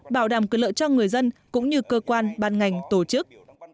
bảo đảm quyền lợi cho người dân cũng như cơ quan ban ngành tổ chức